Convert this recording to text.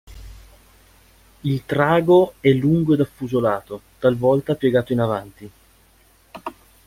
Il trago è lungo ed affusolato, talvolta piegato in avanti.